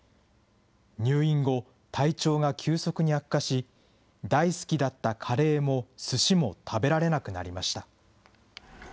入院後、体調が急速に悪化し、大好きだったカレーも、すしも食べられなくなりました。